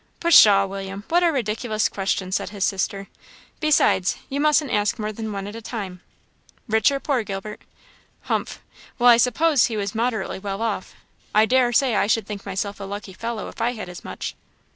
"Pshaw, William! what a ridiculous question," said his sister. "Besides, you mustn't ask more than one at a time. Rich or poor, Gilbert?" "Humph! why, I suppose he was moderately well off. I dare say I should think myself a lucky fellow if I had as much."